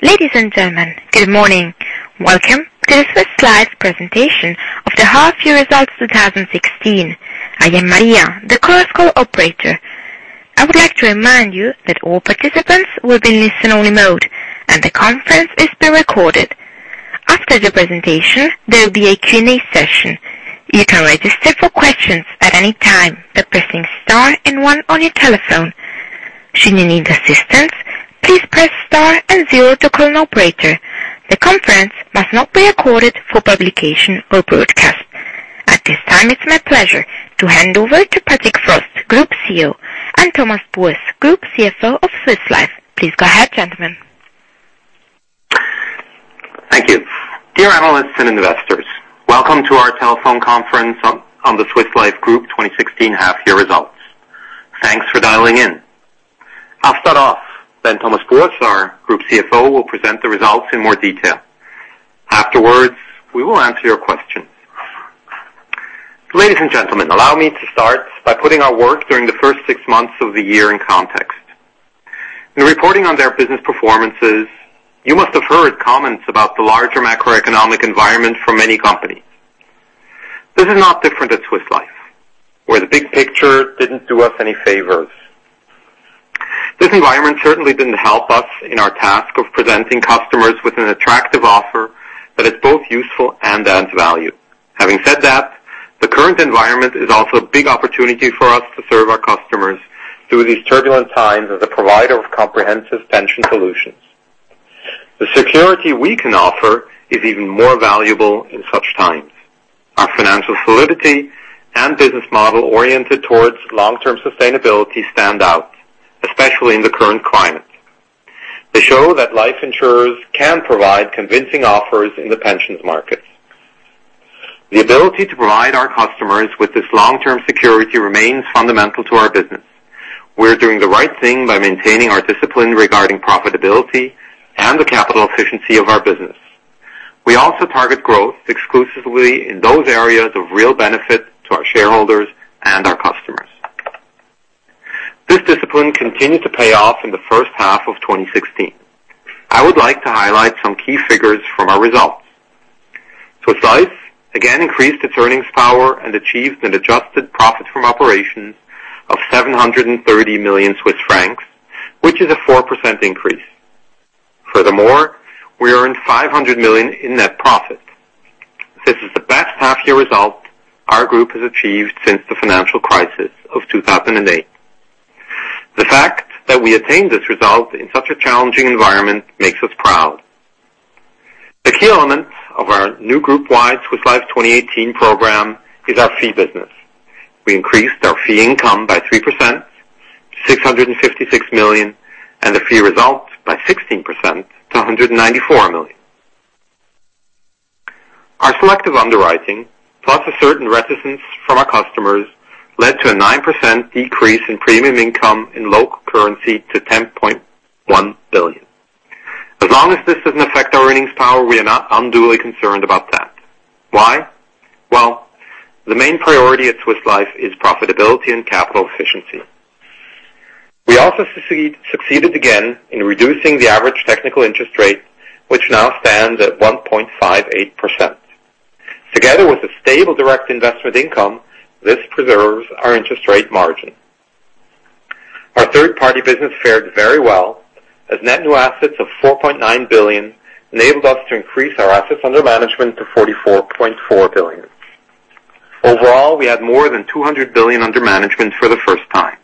Ladies and gentlemen, good morning. Welcome to the Swiss Life presentation of the half-year results 2016. I am Maria, the Chorus Call operator. I would like to remind you that all participants will be in listen-only mode, and the conference is being recorded. After the presentation, there will be a Q&A session. You can register for questions at any time by pressing star 1 on your telephone. Should you need assistance, please press star 0 to call an operator. The conference must not be recorded for publication or broadcast. At this time, it is my pleasure to hand over to Patrick Frost, Group CEO, and Thomas Buess, Group CFO of Swiss Life. Please go ahead, gentlemen. Thank you. Dear analysts and investors, welcome to our telephone conference on the Swiss Life Group 2016 half-year results. Thanks for dialing in. I will start off, then Thomas Buess, our Group CFO, will present the results in more detail. Afterwards, we will answer your questions. Ladies and gentlemen, allow me to start by putting our work during the first six months of the year in context. In reporting on their business performances, you must have heard comments about the larger macroeconomic environment from many companies. This is not different at Swiss Life, where the big picture did not do us any favors. This environment certainly did not help us in our task of presenting customers with an attractive offer that is both useful and adds value. Having said that, the current environment is also a big opportunity for us to serve our customers through these turbulent times as a provider of comprehensive pension solutions. The security we can offer is even more valuable in such times. Our financial solidity and business model oriented towards long-term sustainability stand out, especially in the current climate. They show that life insurers can provide convincing offers in the pensions market. The ability to provide our customers with this long-term security remains fundamental to our business. We are doing the right thing by maintaining our discipline regarding profitability and the capital efficiency of our business. We also target growth exclusively in those areas of real benefit to our shareholders and our customers. This discipline continued to pay off in the first half of 2016. I would like to highlight some key figures from our results. Swiss Life again increased its earnings power and achieved an adjusted profit from operations of 730 million Swiss francs, which is a 4% increase. Furthermore, we earned 500 million in net profit. This is the best half-year result our group has achieved since the financial crisis of 2008. The fact that we attained this result in such a challenging environment makes us proud. The key element of our new group-wide Swiss Life 2018 program is our fee business. We increased our fee income by 3%, 656 million, and the fee result by 16% to 194 million. Our selective underwriting, plus a certain reticence from our customers, led to a 9% decrease in premium income in local currency to 10.1 billion. As long as this does not affect our earnings power, we are not unduly concerned about that. Why? Well, the main priority at Swiss Life is profitability and capital efficiency. We also succeeded again in reducing the average technical interest rate, which now stands at 1.58%. Together with a stable direct investment income, this preserves our interest rate margin. Our third-party business fared very well, as net new assets of 4.9 billion enabled us to increase our assets under management to 44.4 billion. Overall, we had more than 200 billion under management for the first time.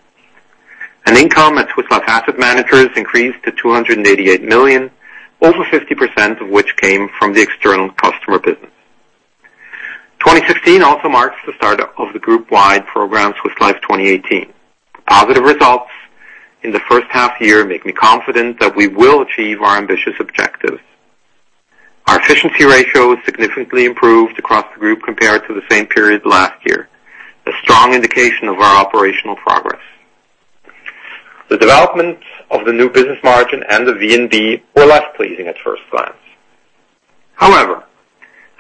An income at Swiss Life Asset Managers increased to 288 million, over 50% of which came from the external customer business. 2016 also marks the start of the group-wide program, Swiss Life 2018. Positive results in the first half-year make me confident that we will achieve our ambitious objectives. Our efficiency ratio is significantly improved across the group compared to the same period last year, a strong indication of our operational progress. The development of the new business margin and the VNB were less pleasing at first glance. However,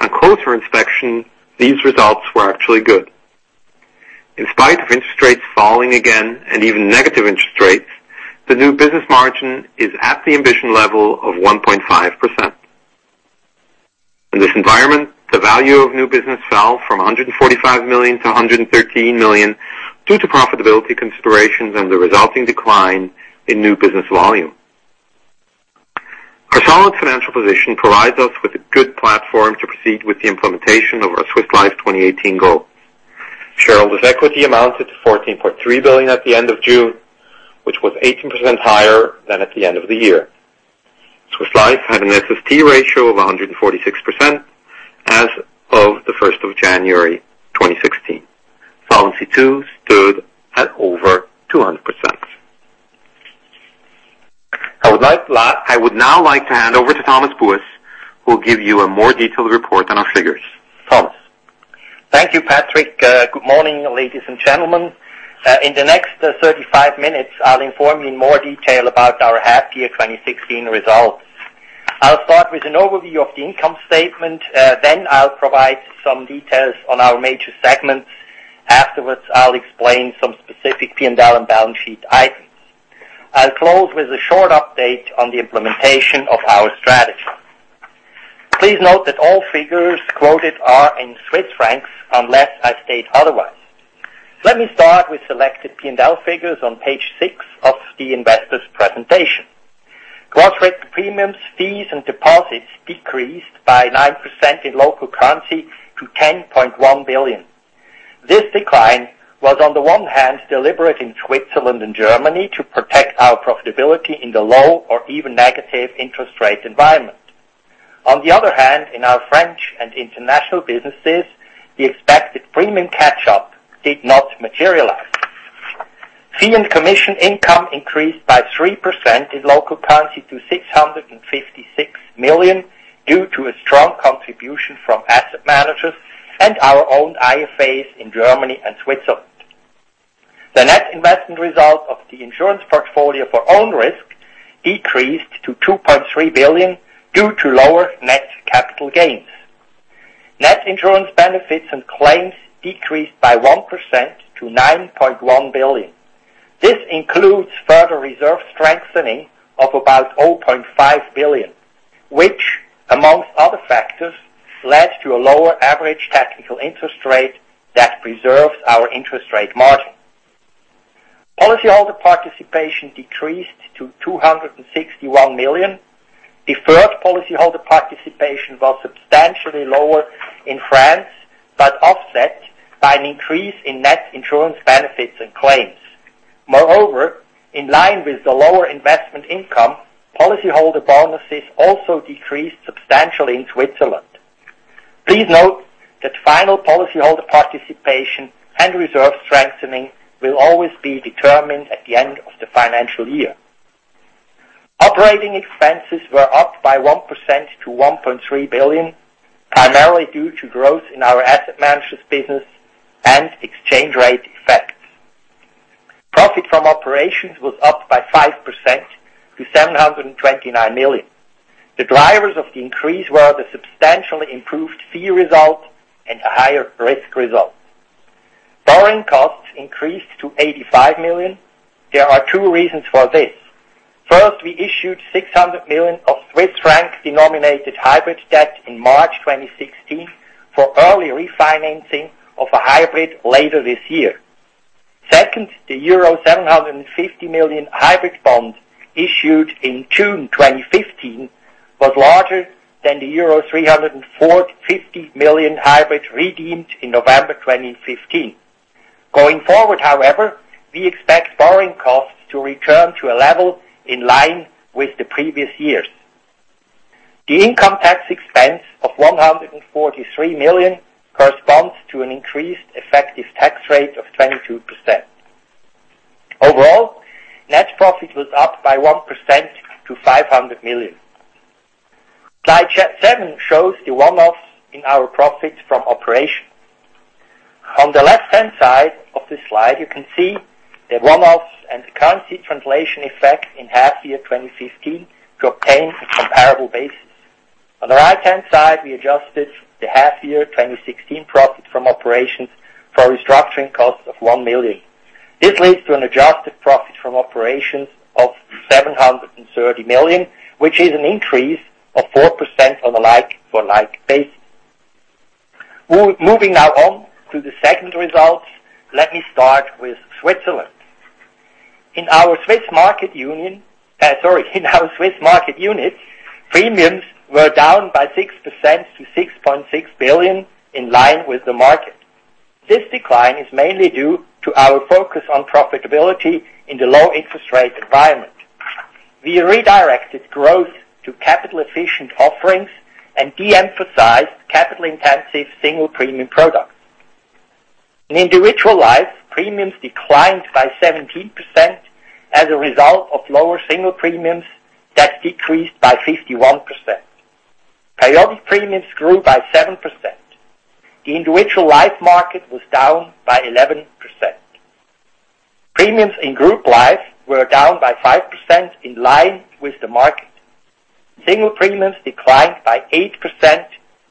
on closer inspection, these results were actually good. In spite of interest rates falling again and even negative interest rates, the new business margin is at the ambition level of 1.5%. In this environment, the value of new business fell from 145 million to 113 million due to profitability considerations and the resulting decline in new business volume. Our solid financial position provides us with a good platform to proceed with the implementation of our Swiss Life 2018 goal. Shareholders' equity amounted to CHF 14.3 billion at the end of June, which was 18% higher than at the end of the year. Swiss Life had an SST ratio of 146% as of the 1st of January 2016. Solvency II stood at over 200%. I would now like to hand over to Thomas Buess, who will give you a more detailed report on our figures. Thomas. Thank you, Patrick. Good morning, ladies and gentlemen. In the next 35 minutes, I'll inform you in more detail about our half-year 2016 results. I'll start with an overview of the income statement. I'll provide some details on our major segments. I'll explain some specific P&L and balance sheet items. I'll close with a short update on the implementation of our strategy. Please note that all figures quoted are in Swiss francs unless I state otherwise. Let me start with selected P&L figures on page six of the investors' presentation. Gross premiums, fees, and deposits decreased by 9% in local currency to 10.1 billion. This decline was, on the one hand, deliberate in Switzerland and Germany to protect our profitability in the low or even negative interest rate environment. On the other hand, in our French and international businesses, the expected premium catch-up did not materialize. Fee and commission income increased by 3% in local currency to 656 million, due to a strong contribution from Asset Managers and our own IFAs in Germany and Switzerland. The net investment result of the insurance portfolio for own risk decreased to 2.3 billion due to lower net capital gains. Net insurance benefits and claims decreased by 1% to 9.1 billion. This includes further reserve strengthening of about 0.5 billion, which, among other factors, led to a lower average technical interest rate that preserves our interest rate margin. Policyholder participation decreased to 261 million. Deferred policyholder participation was substantially lower in France, but offset by an increase in net insurance benefits and claims. Moreover, in line with the lower investment income, policyholder bonuses also decreased substantially in Switzerland. Please note that final policyholder participation and reserve strengthening will always be determined at the end of the financial year. Operating expenses were up by 1% to 1.3 billion, primarily due to growth in our Asset Managers business and exchange rate effects. Profit from operations was up by 5% to 729 million. The drivers of the increase were the substantially improved fee result and a higher risk result. Borrowing costs increased to 85 million. There are two reasons for this. First, we issued 600 million of Swiss franc-denominated hybrid debt in March 2016 for early refinancing of a hybrid later this year. Second, the euro 750 million hybrid bond issued in June 2015 was larger than the euro 350 million hybrid redeemed in November 2015. However, we expect borrowing costs to return to a level in line with the previous years. The income tax expense of 143 million corresponds to an increased effective tax rate of 22%. Overall, net profit was up by 1% to 500 million. Slide seven shows the one-offs in our profits from operation. On the left-hand side of the slide, you can see the one-offs and currency translation effect in half year 2015 to obtain a comparable basis. On the right-hand side, we adjusted the half year 2016 profit from operations for restructuring costs of 1 million. This leads to an adjusted profit from operations of 730 million, which is an increase of 4% on a like-for-like basis. Moving now on to the segment results. Let me start with Switzerland. In our Swiss market unit, premiums were down by 6% to 6.6 billion, in line with the market. This decline is mainly due to our focus on profitability in the low interest rate environment. We redirected growth to capital-efficient offerings and de-emphasized capital-intensive single premium products. In Individual Life, premiums declined by 17% as a result of lower single premiums that decreased by 51%. Periodic premiums grew by 7%. The Individual Life market was down by 11%. Premiums in Group Life were down by 5%, in line with the market. Single premiums declined by 8%,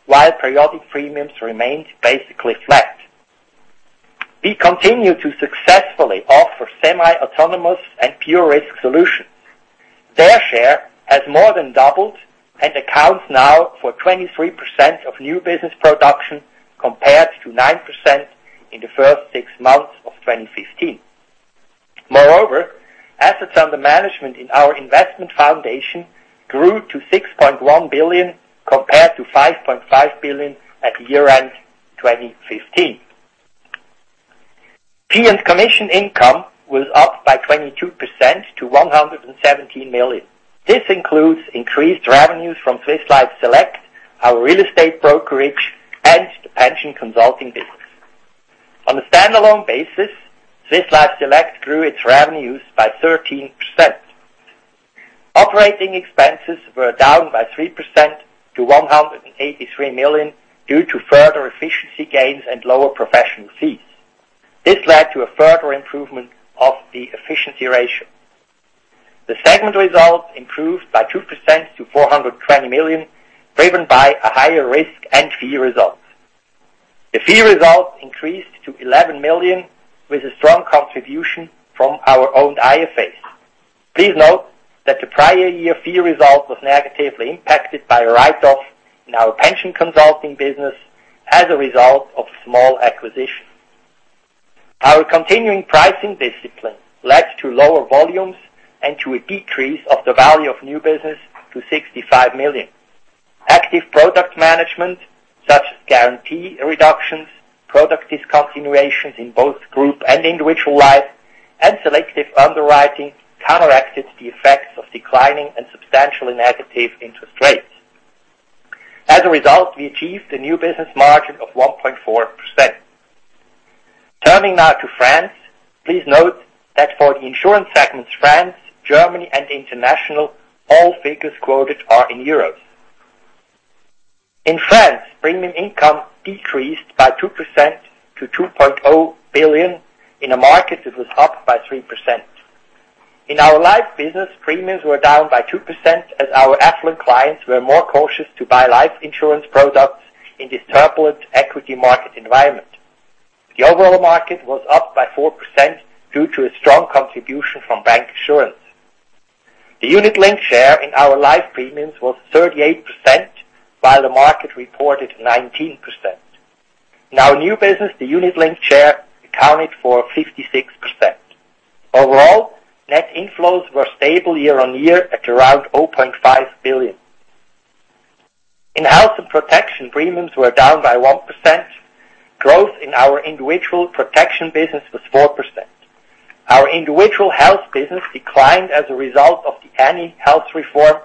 while periodic premiums remained basically flat. We continue to successfully offer semi-autonomous and pure risk solutions. Their share has more than doubled and accounts now for 23% of new business production, compared to 9% in the first six months of 2015. Moreover, assets under management in our investment foundation grew to 6.1 billion, compared to 5.5 billion at year-end 2015. Fee and commission income was up by 22% to 117 million. This includes increased revenues from Swiss Life Select, our real estate brokerage and pension consulting business. On a standalone basis, Swiss Life Select grew its revenues by 13%. Operating expenses were down by 3% to 183 million due to further efficiency gains and lower professional fees. This led to a further improvement of the efficiency ratio. Results improved by 2% to 420 million, driven by a higher risk and fee results. The fee results increased to 11 million, with a strong contribution from our own IFAs. Please note that the prior year fee result was negatively impacted by a write-off in our pension consulting business as a result of a small acquisition. Our continuing pricing discipline led to lower volumes and to a decrease of the value of new business to 65 million. Active product management, such as guarantee reductions, product discontinuations in both group and individual life, and selective underwriting counteracted the effects of declining and substantially negative interest rates. As a result, we achieved a new business margin of 1.4%. Turning now to France. Please note that for the insurance segments, France, Germany, and international, all figures quoted are in euros. In France, premium income decreased by 2% to 2.0 billion in a market that was up by 3%. In our life business, premiums were down by 2% as our affluent clients were more cautious to buy life insurance products in this turbulent equity market environment. The overall market was up by 4% due to a strong contribution from bancassurance. The unit-linked share in our life premiums was 38%, while the market reported 19%. In our new business, the unit-linked share accounted for 56%. Overall, net inflows were stable year-on-year at around 0.5 billion. In health and protection, premiums were down by 1%. Growth in our individual protection business was 4%. Our individual health business declined as a result of the NEAT Health Reform.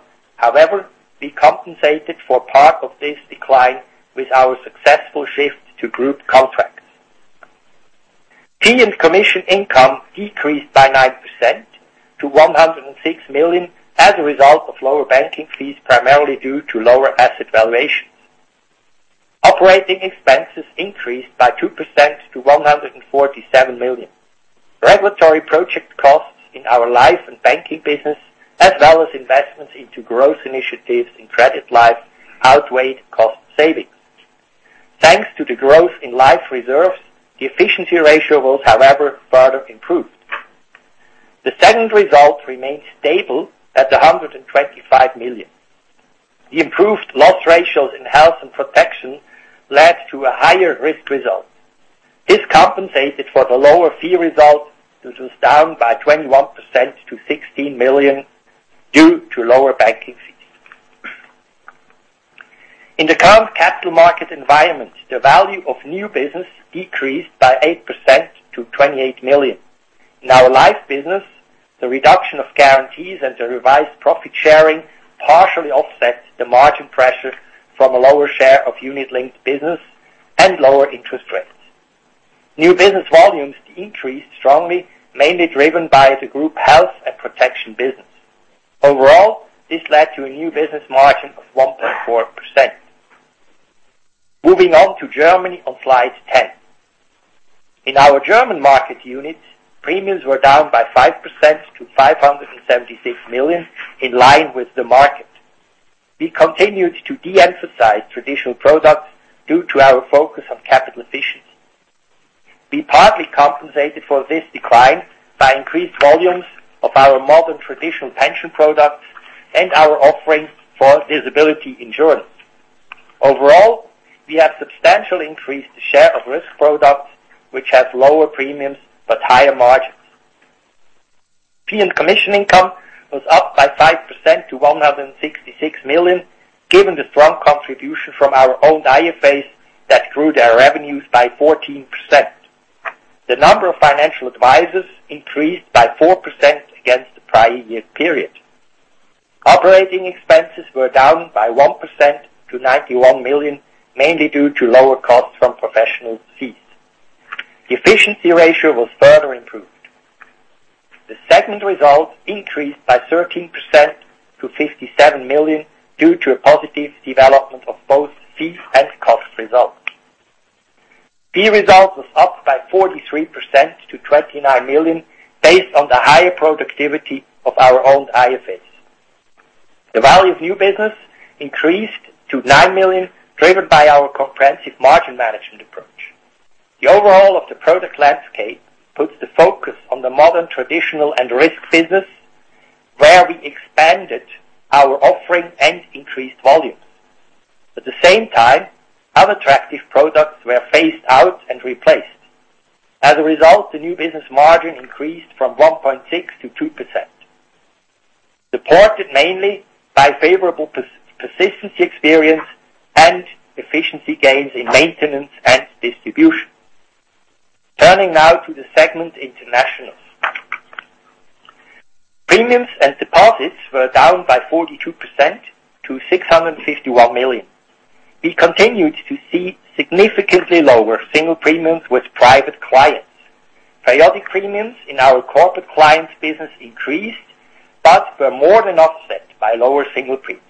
We compensated for part of this decline with our successful shift to group contracts. Fee and commission income decreased by 9% to 106 million as a result of lower banking fees, primarily due to lower asset valuations. Operating expenses increased by 2% to 147 million. Regulatory project costs in our life and banking business, as well as investments into growth initiatives in credit life, outweighed cost savings. Thanks to the growth in life reserves, the efficiency ratio was, however, further improved. The segment results remained stable at 125 million. The improved loss ratios in health and protection led to a higher risk result. This compensated for the lower fee result, which was down by 21% to 16 million due to lower banking fees. In the current capital market environment, the value of new business decreased by 8% to 28 million. In our life business, the reduction of guarantees and the revised profit sharing partially offset the margin pressure from a lower share of unit-linked business and lower interest rates. New business volumes increased strongly, mainly driven by the group health and protection business. Overall, this led to a new business margin of 1.4%. Moving on to Germany on slide 10. In our German market unit, premiums were down by 5% to 576 million, in line with the market. We continued to de-emphasize traditional products due to our focus on capital efficiency. We partly compensated for this decline by increased volumes of our modern traditional pension products and our offerings for disability insurance. Overall, we have substantially increased the share of risk products, which have lower premiums but higher margins. Fee and commission income was up by 5% to 166 million, given the strong contribution from our own IFAs that grew their revenues by 14%. The number of financial advisors increased by 4% against the prior year period. Operating expenses were down by 1% to 91 million, mainly due to lower costs from professional fees. The efficiency ratio was further improved. The segment results increased by 13% to 57 million due to a positive development of both fee and cost result. Fee result was up by 43% to 29 million, based on the higher productivity of our own IFAs. The value of new business increased to 9 million, driven by our comprehensive margin management approach. The overhaul of the product landscape puts the focus on the modern, traditional, and risk business, where we expanded our offering and increased volumes. At the same time, unattractive products were phased out and replaced. The new business margin increased from 1.6% to 2%, supported mainly by favorable persistence experience and efficiency gains in maintenance and distribution. Turning now to the segment international. Premiums and deposits were down by 42% to 651 million. We continued to see significantly lower single premiums with private clients. Periodic premiums in our corporate clients business increased, but were more than offset by lower single premiums.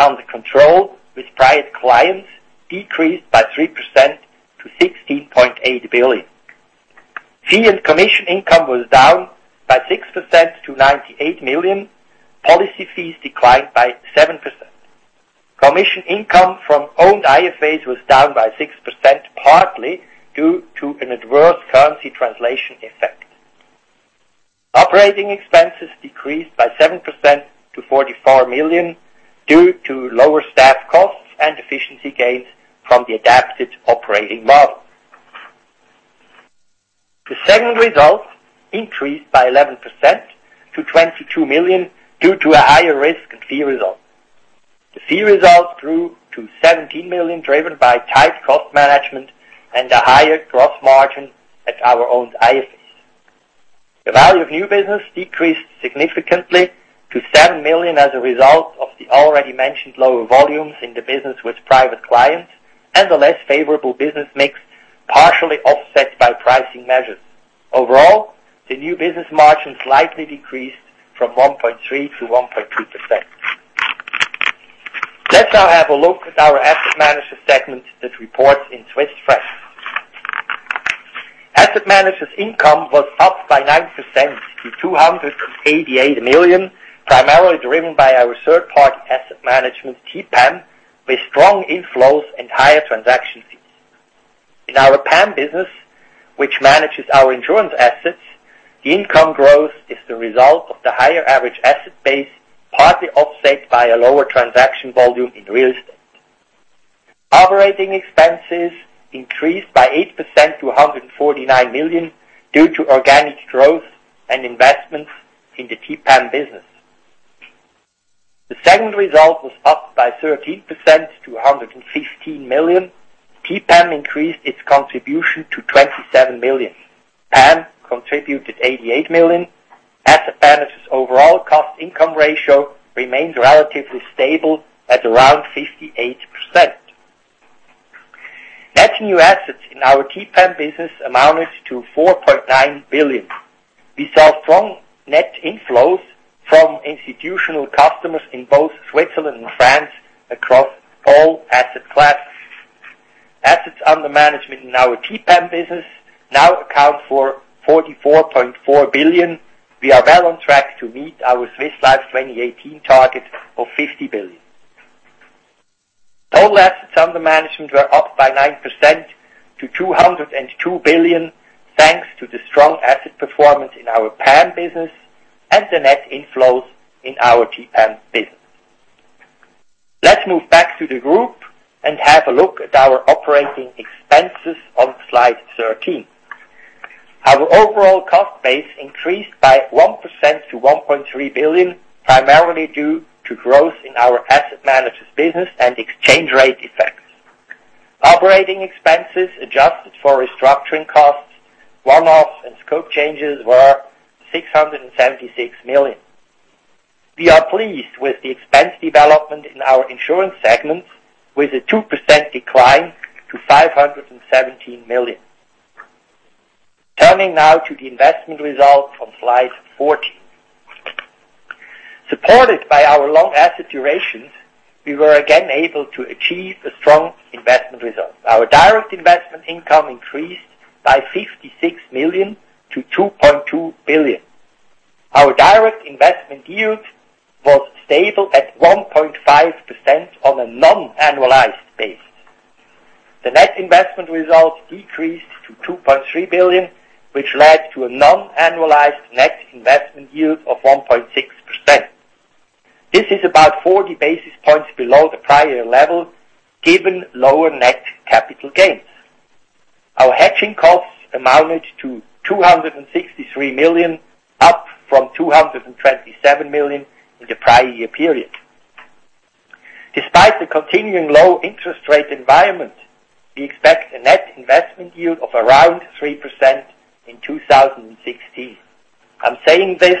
Under control with private clients decreased by 3% to 16.8 billion. Fee and commission income was down by 6% to 98 million. Policy fees declined by 7%. Commission income from owned IFAs was down by 6%, partly due to an adverse currency translation effect. Operating expenses decreased by 7% to 44 million, due to lower staff costs and efficiency gains from the adapted operating model. The segment results increased by 11% to 22 million, due to a higher risk and fee result. The fee result grew to 17 million, driven by tight cost management and a higher gross margin at our owned IFAs. The value of new business decreased significantly to 7 million as a result of the already mentioned lower volumes in the business with private clients and a less favorable business mix, partially offset by pricing measures. Overall, the new business margin slightly decreased from 1.3% to 1.2%. Let's now have a look at our asset manager segment that reports in Swiss francs. Asset managers income was up by 9% to 288 million, primarily driven by our Third Party Asset Management, TPAM, with strong inflows and higher transaction fees. In our PAM business, which manages our insurance assets, the income growth is the result of the higher average asset base, partly offset by a lower transaction volume in real estate. Operating expenses increased by 8% to 149 million due to organic growth and investments in the TPAM business. The segment result was up by 13% to 115 million. TPAM increased its contribution to 27 million. PAM contributed 88 million. Asset managers overall cost-income ratio remains relatively stable at around 58%. Net new assets in our TPAM business amounted to 4.9 billion. We saw strong net inflows from institutional customers in both Switzerland and France across all asset classes. Assets under management in our TPAM business now account for 44.4 billion. We are well on track to meet our Swiss Life 2018 target of 50 billion. Total assets under management were up by 9% to 202 billion, thanks to the strong asset performance in our PAM business and the net inflows in our TPAM business. Let's move back to the group and have a look at our operating expenses on slide 13. Our overall cost base increased by 1% to 1.3 billion, primarily due to growth in our Asset Managers business and exchange rate effects. Operating expenses adjusted for restructuring costs, one-offs, and scope changes were 676 million. We are pleased with the expense development in our insurance segments, with a 2% decline to 517 million. Turning now to the investment result on slide 14. Supported by our long asset durations, we were again able to achieve a strong investment result. Our direct investment income increased by 56 million to 2.2 billion. Our direct investment yield was stable at 1.5% on a non-annualized basis. The net investment results decreased to 2.3 billion, which led to a non-annualized net investment yield of 1.6%. This is about 40 basis points below the prior level, given lower net capital gains. Our hedging costs amounted to 263 million, up from 227 million in the prior year period. Despite the continuing low interest rate environment, we expect a net investment yield of around 3% in 2016. I am saying this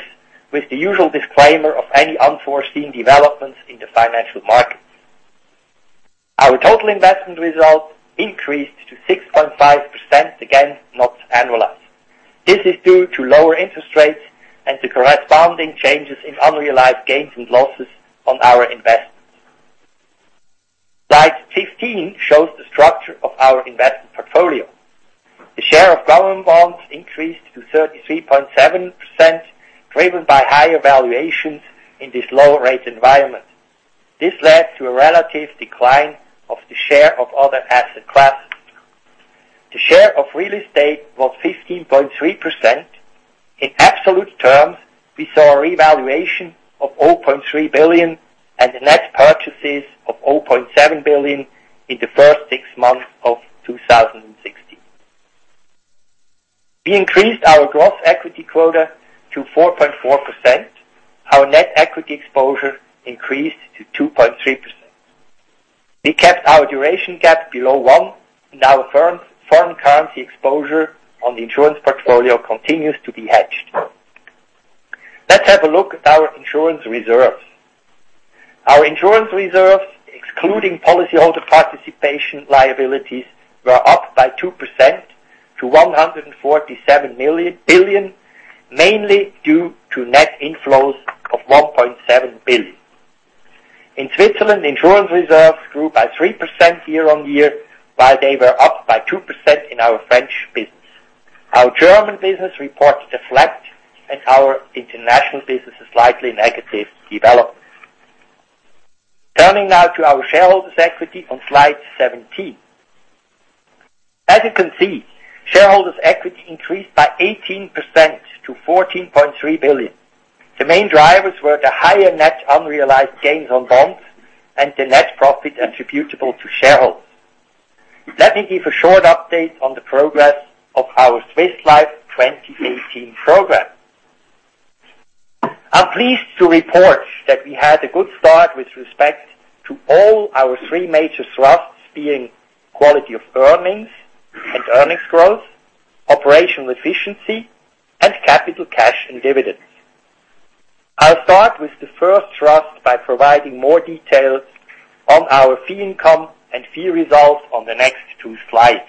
with the usual disclaimer of any unforeseen developments in the financial markets. Our total investment result increased to 6.5%, again, not annualized. This is due to lower interest rates and the corresponding changes in unrealized gains and losses on our investments. Slide 15 shows the structure of our investment portfolio. The share of government bonds increased to 33.7%, driven by higher valuations in this low-rate environment. This led to a relative decline of the share of other asset classes. The share of real estate was 15.3%. In absolute terms, we saw a revaluation of 0.3 billion and net purchases of 0.7 billion in the first six months of 2016. We increased our gross equity quota to 4.4%. Our net equity exposure increased to 2.3%. We kept our duration gap below one. Foreign currency exposure on the insurance portfolio continues to be hedged. Let's have a look at our insurance reserves. Our insurance reserves, excluding policyholder participation liabilities, were up by 2% to 147 billion, mainly due to net inflows of 1.7 billion. In Switzerland, insurance reserves grew by 3% year-on-year, while they were up by 2% in our French business. Our German business reported a flat and our international business a slightly negative development. Turning now to our shareholders' equity on slide 17. As you can see, shareholders' equity increased by 18% to 14.3 billion. The main drivers were the higher net unrealized gains on bonds and the net profit attributable to shareholders. Let me give a short update on the progress of our Swiss Life 2018 program. I am pleased to report that we had a good start with respect to all our three major thrusts, being quality of earnings and earnings growth, operational efficiency, and capital cash and dividends. I will start with the first thrust by providing more details on our fee income and fee results on the next two slides.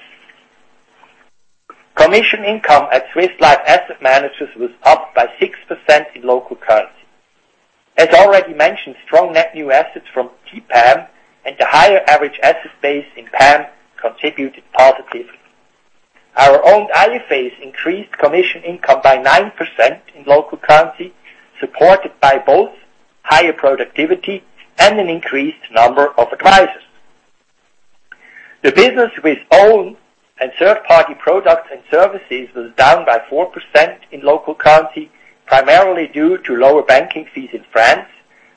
Commission income at Swiss Life Asset Managers was up by 6% in local currency. As already mentioned, strong net new assets from TPAM and the higher average asset base in PAM contributed positively. Our own IFAs increased commission income by 9% in local currency, supported by both higher productivity and an increased number of advisors. The business with own and third-party products and services was down by 4% in local currency, primarily due to lower banking fees in France,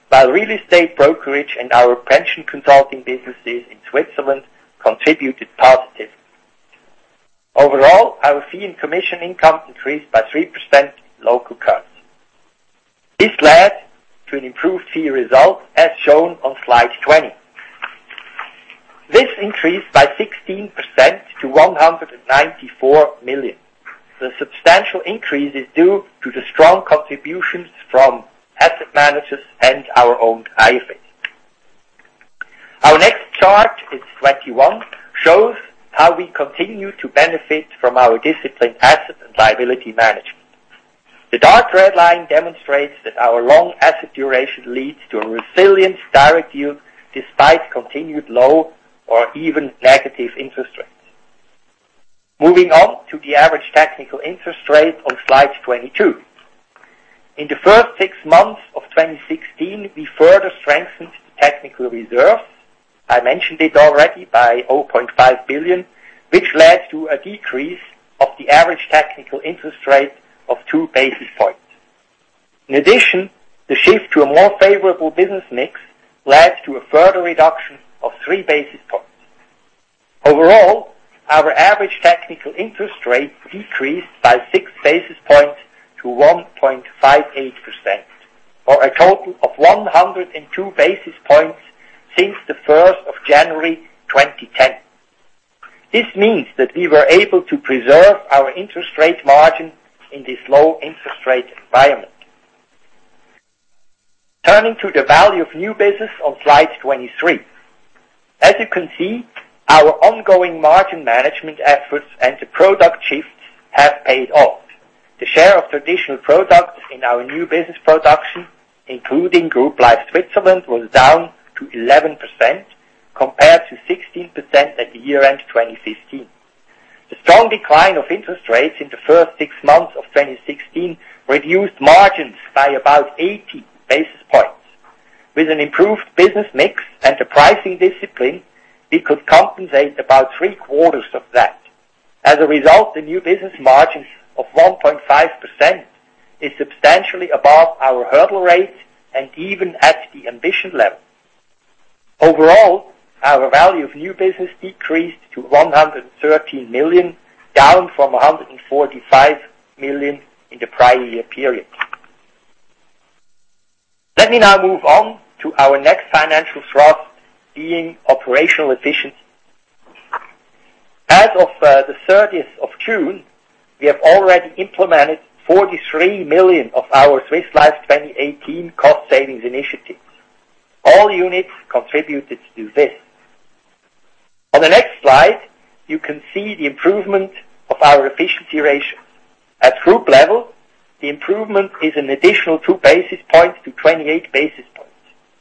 while real estate brokerage and our pension consulting businesses in Switzerland contributed positively. Overall, our fee and commission income increased by 3% in local currency. This led to an improved fee result as shown on slide 20. This increased by 16% to 194 million. The substantial increase is due to the strong contributions from asset managers and our own IFAs. Our next chart is 21, shows how we continue to benefit from our disciplined asset and liability management. The dark red line demonstrates that our long asset duration leads to a resilient direct yield despite continued low or even negative interest rates. Moving on to the average technical interest rate on slide 22. In the first six months of 2016, we further strengthened technical reserves, I mentioned it already, by 0.5 billion, which led to a decrease of the average technical interest rate of two basis points. In addition, the shift to a more favorable business mix led to a further reduction of three basis points. Overall, our average technical interest rate decreased by six basis points to 1.58%, or a total of 102 basis points since the 1st of January 2010. This means that we were able to preserve our interest rate margin in this low interest rate environment. Turning to the value of new business on slide 23. As you can see, our ongoing margin management efforts and the product shifts have paid off. The share of traditional products in our new business production, including Group Life Switzerland, was down to 11% compared to 16% at the year-end 2015. The strong decline of interest rates in the first six months of 2016 reduced margins by about 80 basis points. With an improved business mix and a pricing discipline, we could compensate about three-quarters of that. As a result, the new business margins of 1.5% is substantially above our hurdle rate and even at the ambition level. Overall, our value of new business decreased to 113 million, down from 145 million in the prior year period. Let me now move on to our next financial thrust, being operational efficiency. As of the 30th of June, we have already implemented 43 million of our Swiss Life 2018 cost savings initiatives. All units contributed to this. On the next slide, you can see the improvement of our efficiency ratio. At group level, the improvement is an additional two basis points to 28 basis points.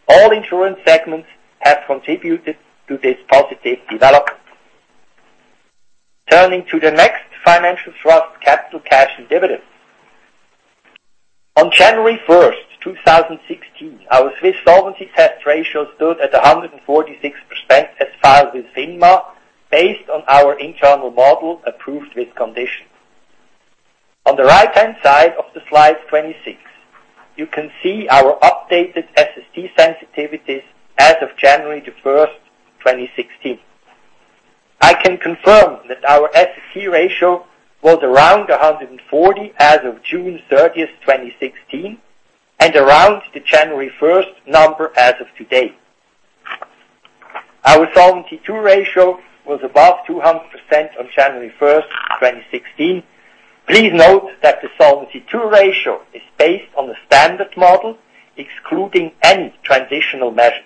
All insurance segments have contributed to this positive development. Turning to the next financial thrust, capital cash and dividends. On January 1st, 2016, our Swiss Solvency Test ratio stood at 146% as filed with FINMA, based on our internal model approved with conditions. On the right-hand side of the slide 26, you can see our updated SST sensitivities as of January 1st, 2016. I can confirm that our SST ratio was around 140% as of June 30th, 2016, and around the January 1st number as of today. Our Solvency II ratio was above 200% on January 1st, 2016. Please note that the Solvency II ratio is based on the standard model, excluding any transitional measure.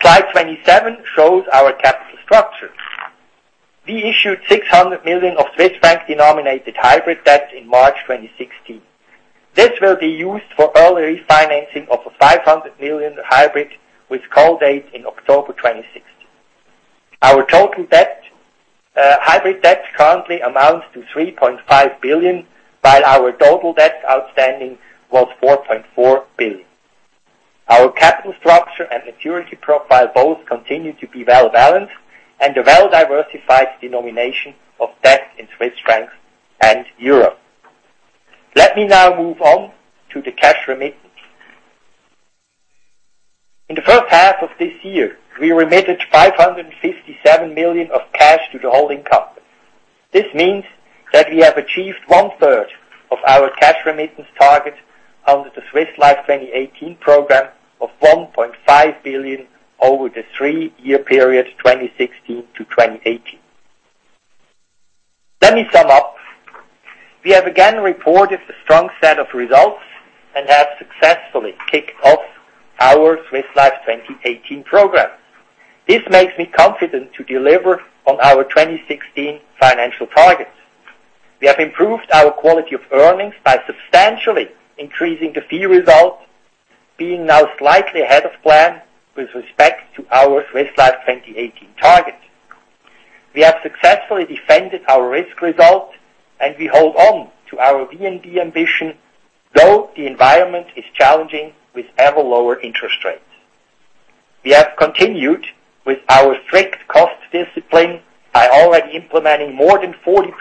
Slide 27 shows our capital structure. We issued 600 million of Swiss franc-denominated hybrid debt in March 2016. This will be used for early refinancing of a 500 million hybrid with call date in October 2016. Our total hybrid debt currently amounts to 3.5 billion, while our total debt outstanding was 4.4 billion. Our capital structure and maturity profile both continue to be well-balanced and a well-diversified denomination of debt in Swiss franc and EUR. Let me now move on to the cash remittance. In the first half of this year, we remitted 557 million of cash to the holding company. This means that we have achieved one third of our cash remittance target under the Swiss Life 2018 program of 1.5 billion over the three-year period, 2016 to 2018. Let me sum up. We have again reported a strong set of results and have successfully kicked off our Swiss Life 2018 program. This makes me confident to deliver on our 2016 financial targets. We have improved our quality of earnings by substantially increasing the fee result, being now slightly ahead of plan with respect to our Swiss Life 2018 target. We have successfully defended our risk result, and we hold on to our VNB ambition, though the environment is challenging with ever lower interest rates. We have continued with our strict cost discipline by already implementing more than 40%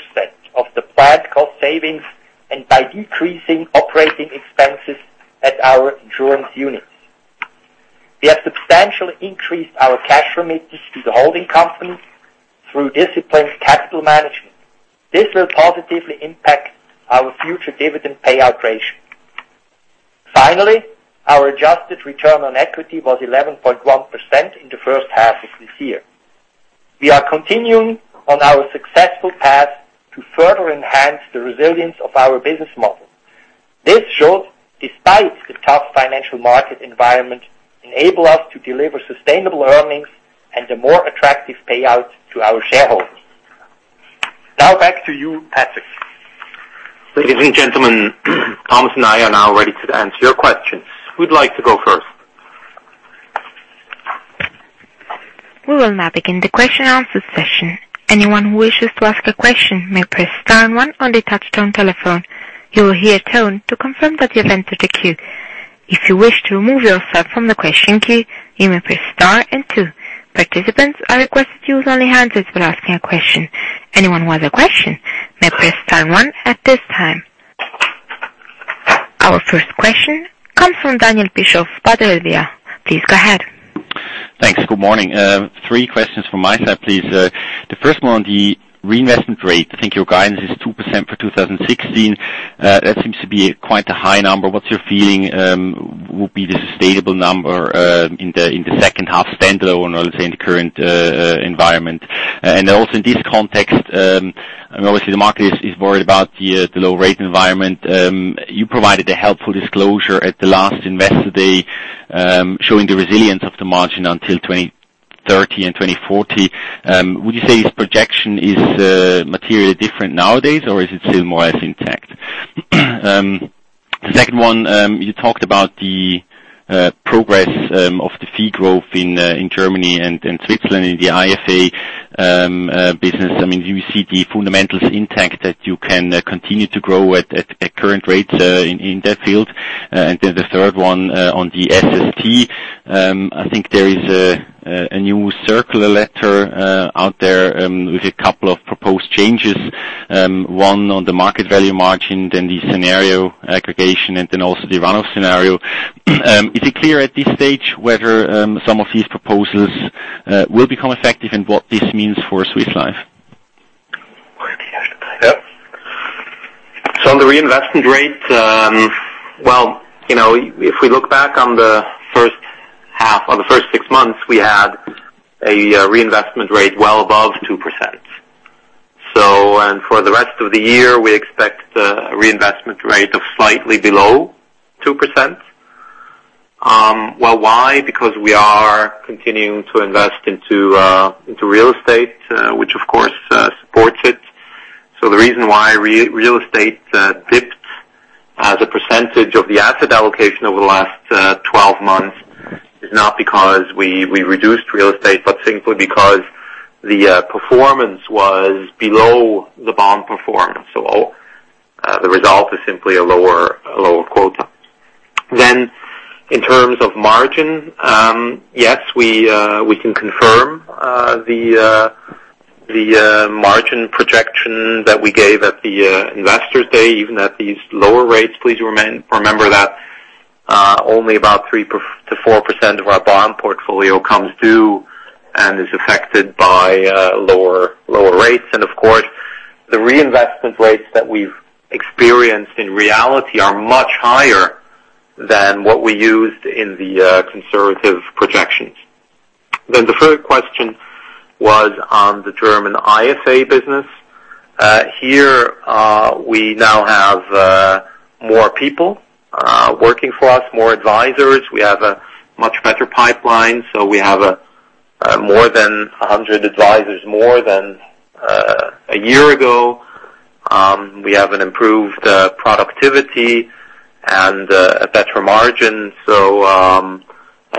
of the planned cost savings and by decreasing operating expenses at our insurance units. We have substantially increased our cash remittance to the holding company through disciplined capital management. This will positively impact our future dividend payout ratio. Finally, our adjusted return on equity was 11.1% in the first half of this year. We are continuing on our successful path to further enhance the resilience of our business model. This should, despite the tough financial market environment, enable us to deliver sustainable earnings and a more attractive payout to our shareholders. Back to you, Patrick. Ladies and gentlemen, Thomas and I are now ready to answer your questions. Who'd like to go first? We will now begin the question and answer session. Anyone who wishes to ask a question may press star one on the touchtone telephone. You will hear a tone to confirm that you have entered the queue. If you wish to remove yourself from the question queue, you may press star and two. Participants are requested to use only hands-free when asking a question. Anyone who has a question may press star one at this time. Our first question comes from Daniel Bischof, Vontobel. Please go ahead. Thanks. Good morning. Three questions from my side, please. The first one on the reinvestment rate. I think your guidance is 2% for 2016. That seems to be quite a high number. What's your feeling would be the sustainable number in the second half standalone or, let's say, in the current environment? Also in this context, obviously the market is worried about the low rate environment. You provided a helpful disclosure at the last investor day, showing the resilience of the margin until 2030 and 2040. Would you say this projection is materially different nowadays, or is it still more or less intact? Second one, you talked about the progress of the fee growth in Germany and in Switzerland in the IFA business. Do you see the fundamentals intact that you can continue to grow at current rates in that field? The third one on the SST. I think there is a new circular letter out there with a couple of proposed changes. One on the market value margin, then the scenario aggregation, and then also the run-off scenario. Is it clear at this stage whether some of these proposals will become effective and what this means for Swiss Life? On the reinvestment rate. If we look back on the first six months, we had a reinvestment rate well above 2%. For the rest of the year, we expect a reinvestment rate of slightly below 2%. Why? Because we are continuing to invest into real estate, which of course, supports it. The reason why real estate dipped as a percentage of the asset allocation over the last 12 months is not because we reduced real estate, but simply because the performance was below the bond performance. The result is simply a lower quota. In terms of margin. Yes, we can confirm the margin projection that we gave at the investor day, even at these lower rates. Please remember that only about 3%-4% of our bond portfolio comes due and is affected by lower rates. Of course, the reinvestment rates that we've experienced, in reality, are much higher than what we used in the conservative projections. The third question was on the German IFA business. Here, we now have more people working for us, more advisors. We have a much better pipeline. We have more than 100 advisors, more than a year ago. We have an improved productivity and a better margin.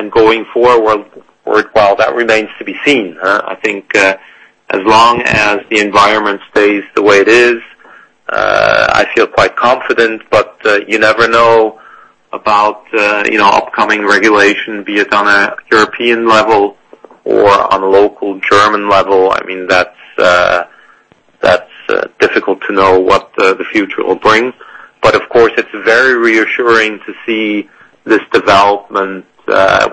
Going forward, while that remains to be seen. I think as long as the environment stays the way it is, I feel quite confident. You never know about upcoming regulation, be it on a European level or on local German level. That's difficult to know what the future will bring. Of course, it's very reassuring to see this development,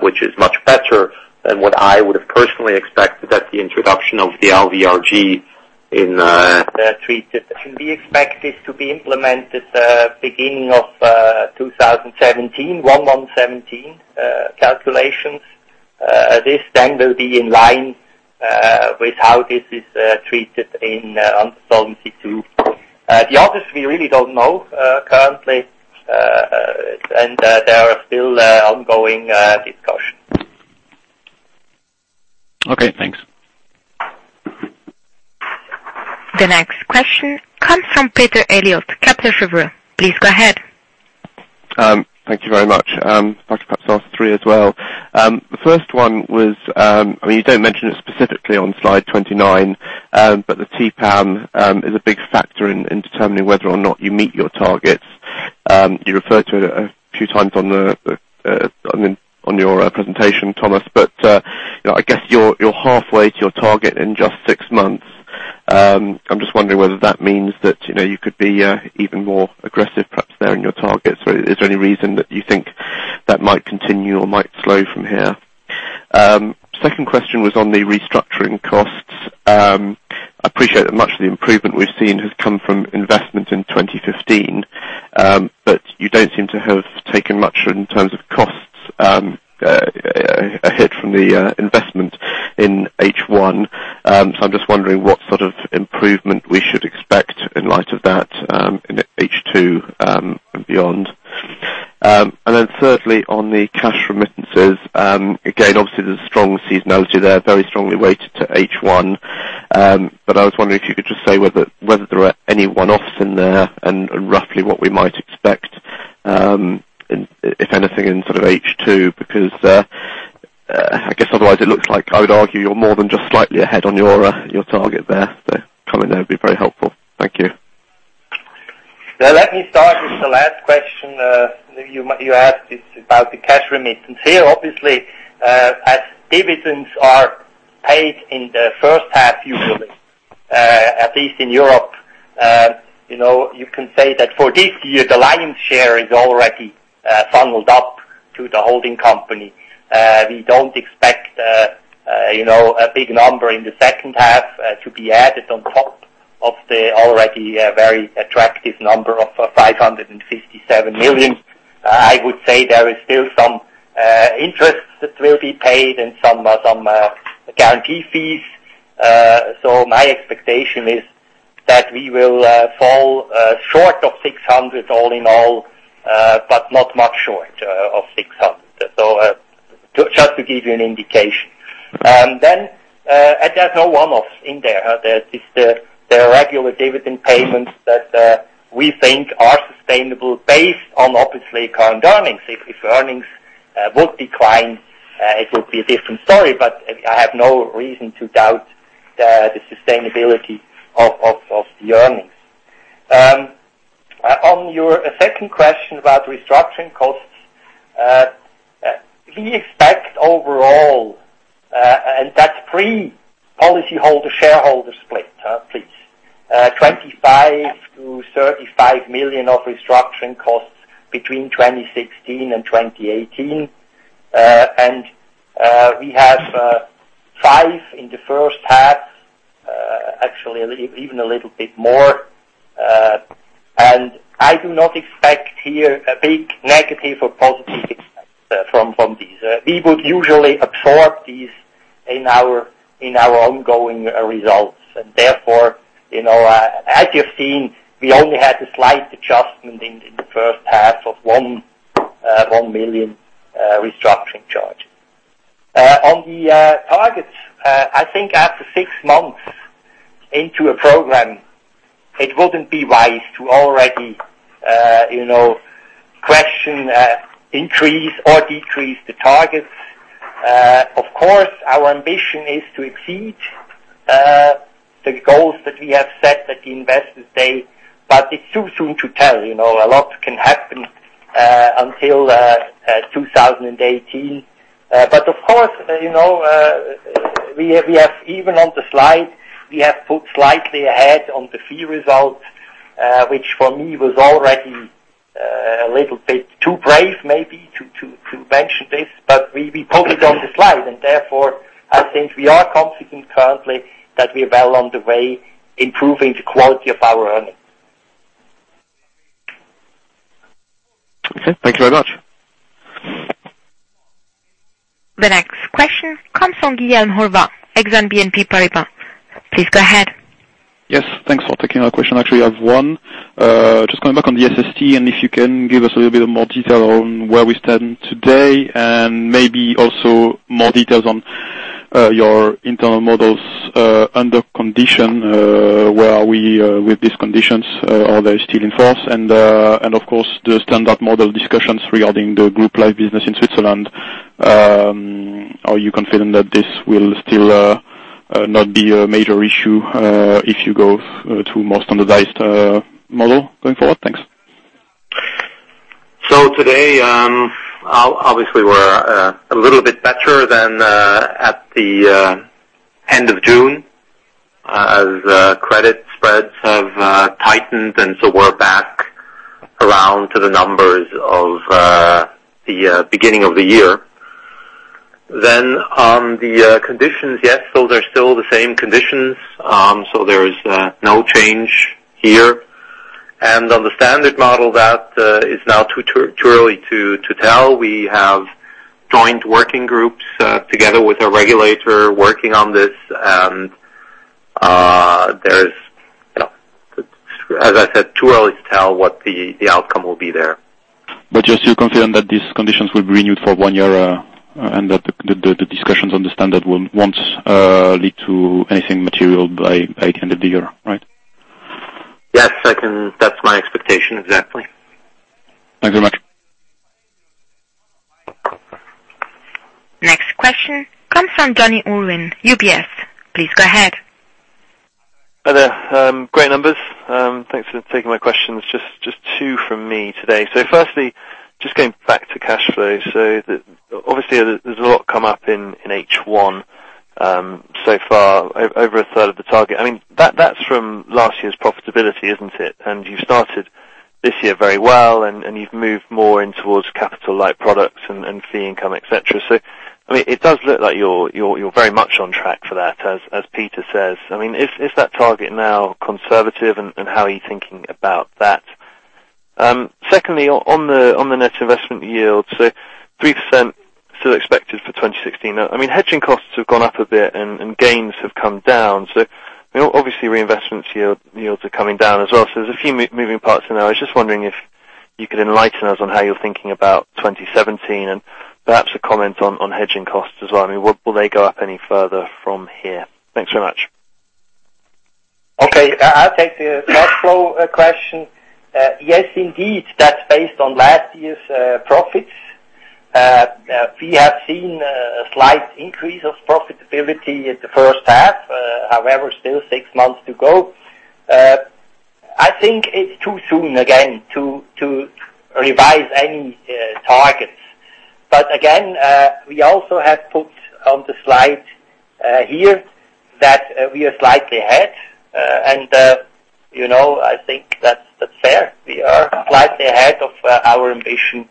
which is much better than what I would have personally expected at the introduction of the LVRG. We expect this to be implemented beginning of 2017, 1/1/2017 calculations. This then will be in line with how this is treated in Solvency II. The others, we really don't know currently, and there are still ongoing discussions. Okay, thanks. The next question comes from Peter Eliot, Kepler Cheuvreux. Please go ahead. Thank you very much. Might perhaps ask three as well. The first one was, you don't mention it specifically on slide 29, the TPAM is a big factor in determining whether or not you meet your targets. You referred to it a few times on your presentation, Thomas. I guess you're halfway to your target in just six months. I'm just wondering whether that means that you could be even more aggressive perhaps there in your target. Is there any reason that you think that might continue or might slow from here? Second question was on the restructuring costs. I appreciate that much of the improvement we've seen has come from investment in 2015, but you don't seem to have taken much in terms of costs ahead from the investment in H1. I'm just wondering what sort of improvement we should expect in light of that in H2 and beyond. Thirdly, on the cash remittances. Again, obviously there's a strong seasonality there, very strongly weighted to H1. I was wondering if you could just say whether there are any one-offs in there and roughly what we might expect, if anything, in H2. I guess otherwise it looks like I would argue you're more than just slightly ahead on your target there. A comment there would be very helpful. Thank you. Let me start with the last question. You asked it's about the cash remittance here. Obviously, as dividends are paid in the first half usually, at least in Europe. You can say that for this year, the lion's share is already funneled up to the holding company. We don't expect a big number in the second half to be added on top of the already very attractive number of 557 million. I would say there is still some interest that will be paid and some guarantee fees. My expectation is that we will fall short of 600 all in all, but not much short of 600. Just to give you an indication. There's no one-off in there. There are regular dividend payments that we think are sustainable based on, obviously, current earnings. If earnings would decline, it would be a different story, I have no reason to doubt the sustainability of the earnings. On your second question about restructuring costs. We expect overall, and that's pre-policyholder shareholder split, please, 25 million-35 million of restructuring costs between 2016 and 2018. We have five in the first half, actually even a little bit more. I do not expect here a big negative or positive effect from these. We would usually absorb these in our ongoing results. Therefore, as you've seen, we only had a slight adjustment in the first half of 1 million restructuring charge. On the targets, I think after six months into a program, it wouldn't be wise to already question, increase or decrease the targets. Of course, our ambition is to exceed the goals that we have set at the Investor Day, it's too soon to tell. A lot can happen until 2018. Of course, even on the slide, we have put slightly ahead on the fee result, which for me, was already a little bit too brave maybe to mention this, we put it on the slide. Therefore, I think we are confident currently that we are well on the way improving the quality of our earnings. Okay. Thank you very much. The next question comes from Guillaume Horvat, Exane BNP Paribas. Please go ahead. Yes. Thanks for taking our question. Actually, I have one. Just coming back on the SST, if you can give us a little bit more detail on where we stand today, and maybe also more details on your internal models under condition, where are we with these conditions, are they still in force? Of course, the standard model discussions regarding the group life business in Switzerland. Are you confident that this will still not be a major issue, if you go to more standardized model going forward? Thanks. Today, obviously we're a little bit better than at the end of June, as credit spreads have tightened, we're back around to the numbers of the beginning of the year. On the conditions, yes. Those are still the same conditions. There is no change here. On the standard model that is now too early to tell. We have joint working groups, together with our regulator, working on this. There is, as I said, too early to tell what the outcome will be there. Just you confirm that these conditions will be renewed for one year, and that the discussions on the standard won't lead to anything material by end of the year, right? Yes. That's my expectation. Exactly. Thank you very much. Next question comes from Jonny Urwin, UBS. Please go ahead. Hi there. Great numbers. Thanks for taking my questions. Just two from me today. Firstly, just going back to cash flow. Obviously there's a lot come up in H1 so far, over a third of the target. That's from last year's profitability, isn't it? You've started this year very well and you've moved more in towards capital-light products and fee income, et cetera. It does look like you're very much on track for that as Peter says. Is that target now conservative and how are you thinking about that? Secondly, on the net investment yield. 3% still expected for 2016. Hedging costs have gone up a bit and gains have come down. Obviously reinvestment yields are coming down as well. There's a few moving parts in there. I was just wondering if you could enlighten us on how you're thinking about 2017 and perhaps a comment on hedging costs as well. Will they go up any further from here? Thanks very much. Okay. I'll take the cash flow question. Yes, indeed. That's based on last year's profits. We have seen a slight increase of profitability at the first half. However, still six months to go. I think it's too soon, again, to revise any targets. Again, we also have put on the slide here that we are slightly ahead. I think that's fair. We are slightly ahead of our ambition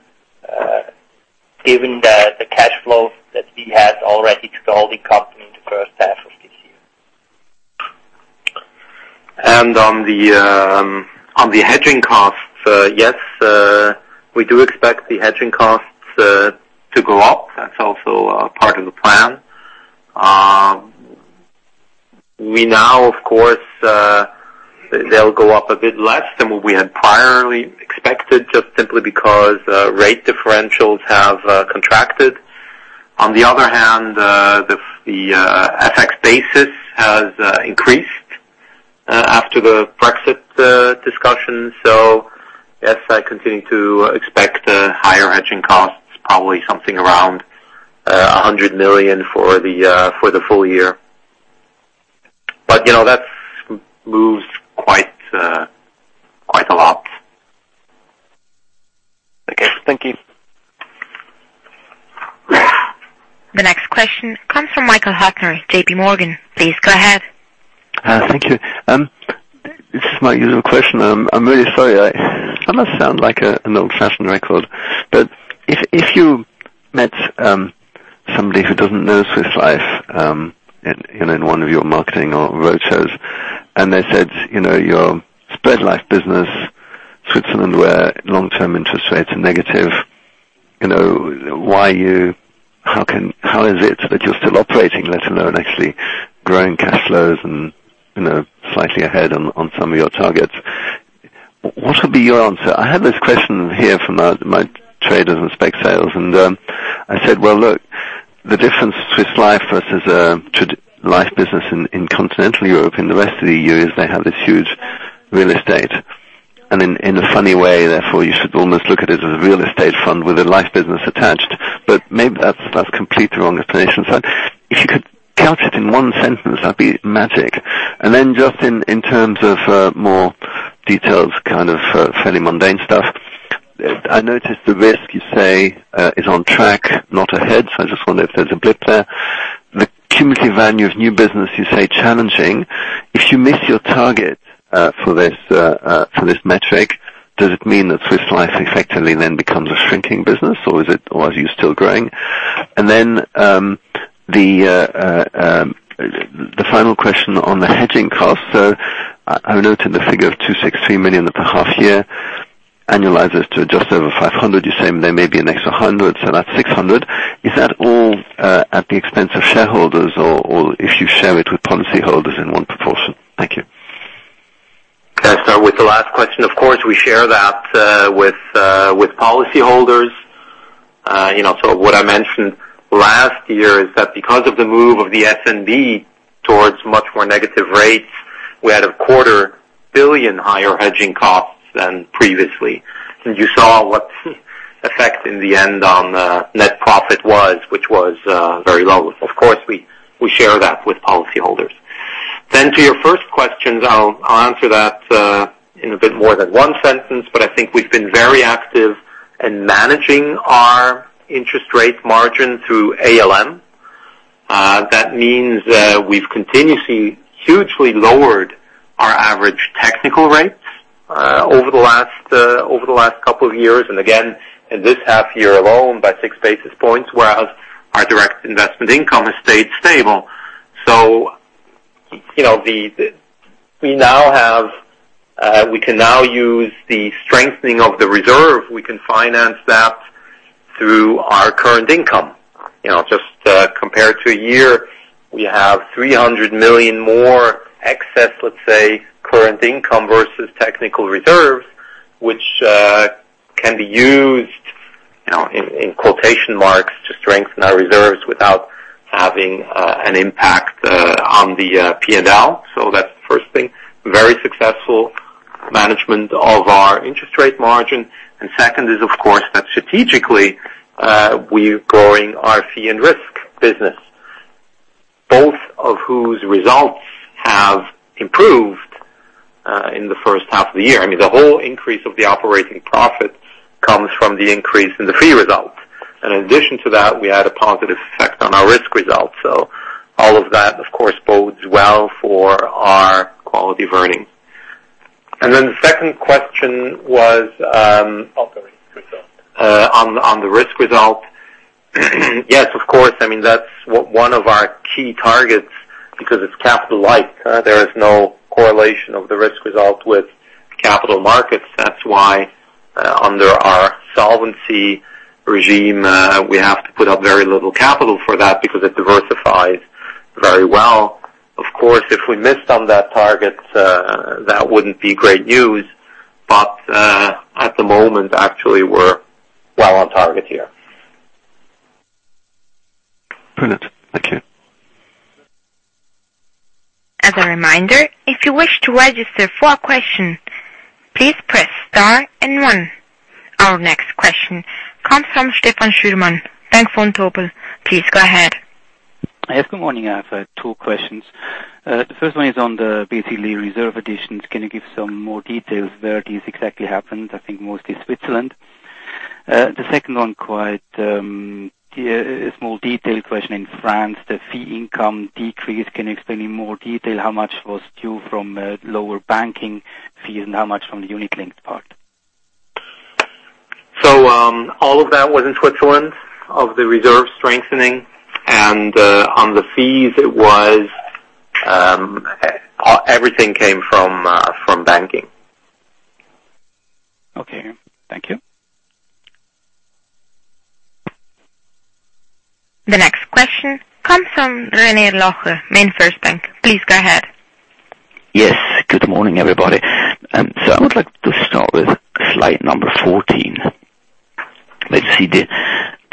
given the cash flows that we had already to the company in the first half of this year. On the hedging costs. Yes, we do expect the hedging costs to go up. That's also part of the plan. They'll go up a bit less than what we had priorly expected, just simply because rate differentials have contracted. On the other hand, the FX basis has increased after the Brexit discussion. Yes, I continue to expect higher hedging costs, probably something around 100 million for the full year. That moves quite a lot. Okay. Thank you. The next question comes from Michael Huttner, JP Morgan. Please go ahead. Thank you. This is my usual question. I'm really sorry. I must sound like an old-fashioned record. If you met somebody who doesn't know Swiss Life, in one of your marketing or roadshows, and they said your spread life business, Switzerland, where long-term interest rates are negative. How is it that you're still operating, let alone actually growing cash flows and slightly ahead on some of your targets? What would be your answer? I had this question here from my traders in spec sales. I said, "Well, look, the difference Swiss Life versus life business in continental Europe and the rest of the EU is they have this huge real estate." In a funny way, therefore, you should almost look at it as a real estate fund with a life business attached. Maybe that's completely wrong explanation. If you could couch it in one sentence, that would be magic. Just in terms of more details, kind of fairly mundane stuff. I noticed the risk you say is on track, not ahead. I just wonder if there is a blip there. The cumulative value of new business, you say, challenging. If you miss your target for this metric, does it mean that Swiss Life effectively becomes a shrinking business? Are you still growing? The final question on the hedging cost. I noted the figure of 263 million at the half year, annualize it to just over 500. You are saying there may be an extra 100, so that is 600. Is that all at the expense of shareholders or if you share it with policyholders in what proportion? Thank you. Can I start with the last question? Of course, we share that with policyholders. What I mentioned last year is that because of the move of the SNB towards much more negative rates, we had a quarter billion higher hedging costs than previously. You saw what effect in the end on net profit was, which was very low. Of course, we share that with policyholders. To your first questions, I will answer that in a bit more than one sentence, but I think we have been very active in managing our interest rate margin through ALM. That means we have continuously, hugely lowered our average technical rates over the last couple of years, and again, in this half year alone by six basis points, whereas our direct investment income has stayed stable. We can now use the strengthening of the reserve. We can finance that through our current income. Just compared to a year, we have 300 million more excess, let's say, current income versus technical reserves, which can be used, in quotation marks, to strengthen our reserves without having an impact on the P&L. That is the first thing. Very successful management of our interest rate margin. Second is, of course, that strategically, we are growing our fee and risk business. Both of whose results have improved in the first half of the year. I mean, the whole increase of the operating profit comes from the increase in the fee results. In addition to that, we had a positive effect on our risk results. All of that, of course, bodes well for our quality of earning. The second question was- Also risk result on the risk result. Yes, of course, I mean, that's one of our key targets because it's capital-like. There is no correlation of the risk result with capital markets. That's why under our solvency regime, we have to put up very little capital for that because it diversifies very well. Of course, if we missed on that target, that wouldn't be great news. At the moment, actually, we're well on target here. Brilliant. Thank you. As a reminder, if you wish to register for a question, please press star and one. Our next question comes from Stefan Schürmann, Bank Vontobel. Please go ahead. Yes, good morning. I have two questions. The first one is on the basically reserve additions. Can you give some more details where this exactly happened? I think mostly Switzerland. The second one, quite a small detail question in France, the fee income decrease. Can you explain in more detail how much was due from lower banking fees and how much from the unit-linked part? All of that was in Switzerland, of the reserve strengthening. On the fees, everything came from banking. Okay. Thank you. The next question comes from René Locher, MainFirst Bank. Please go ahead. Yes, good morning, everybody. I would like to start with slide 14, where you see the